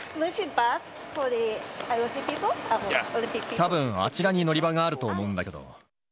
たぶん、あちらに乗り場があると思うんだけど。